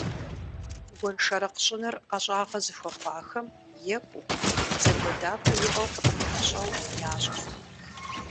Гуэншэрыкъ щӀыныр ӀэщӀагъэ зыхуэхъуахэм екӀуу, зыгуэдапӀэ иӀэу къыпхуэмыщӀэу ящӀырт.